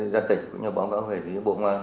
dân tịch cũng như báo cáo về bộ công an